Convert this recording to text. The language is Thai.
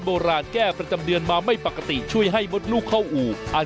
โบราณแก้ประจำเดือนมาไม่ปกติช่วยให้มดลูกเข้าอู่อาจ